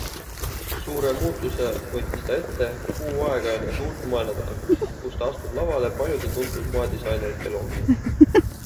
Suure muutuse võttis ta ette kuu aega enne suurt moenädalat, kus ta astub lavale paljude tuntud moedisainerite loomingus.